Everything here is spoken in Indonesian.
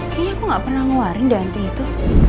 kayaknya aku gak pernah nguarin di anting itu